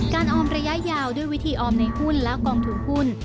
ออมระยะยาวด้วยวิธีออมในหุ้นและกองทุนหุ้น